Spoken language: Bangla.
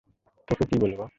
তোকে কি বলবো?